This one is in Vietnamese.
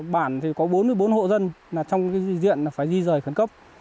bản thì có bốn mươi bốn hộ dân trong diện phải di rời khẩn cấp